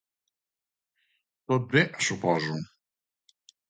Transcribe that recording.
—Tot bé, suposo…